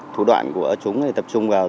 thủ đoạn của chúng tập trung vào